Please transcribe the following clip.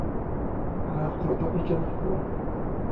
وَعَلَى الْخُلَطَاءِ تَنَكُّرًا